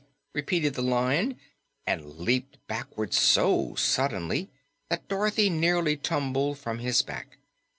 repeated the Lion, and leaped backward so suddenly that Dorothy nearly tumbled from his back.